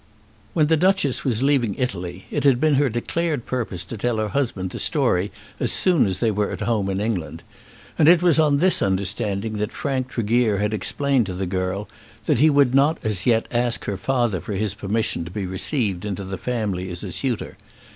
When the Duchess was leaving Italy, it had been her declared purpose to tell her husband the story as soon as they were at home in England. And it was on this understanding that Frank Tregear had explained to the girl that he would not as yet ask her father for his permission to be received into the family as a suitor.